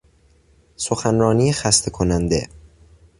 سخنرانی خسته کننده